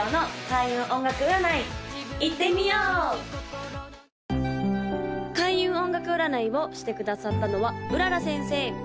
・開運音楽占いをしてくださったのは麗先生